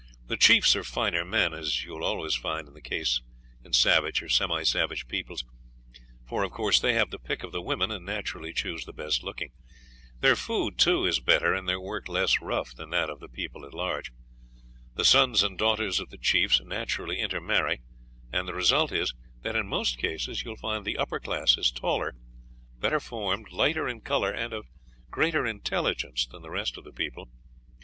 The chiefs are finer men, as you will always find in the case in savage or semi savage peoples, for, of course, they have the pick of the women, and naturally choose the best looking. Their food, too, is better and their work less rough than that of the people at large. "The sons and daughters of the chiefs naturally intermarry, and the result is that in most cases you will find the upper classes taller, better formed, lighter in color, and of greater intelligence than the rest of the people.